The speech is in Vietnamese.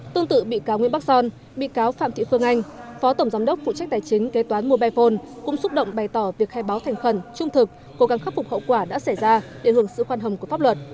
tương tự bị cáo nguyễn bắc son bị cáo phạm thị phương anh phó tổng giám đốc phụ trách tài chính kế toán mobile phone cũng xúc động bày tỏ việc khai báo thành khẩn trung thực cố gắng khắc phục hậu quả đã xảy ra để hưởng sự khoan hầm của pháp luật